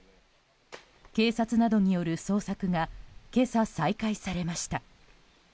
警察などによる捜索が今朝、再開されました。